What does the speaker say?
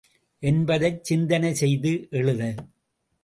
என்பதைச் சிந்தனை செய்து எழுது.